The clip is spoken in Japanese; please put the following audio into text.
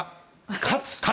勝つ。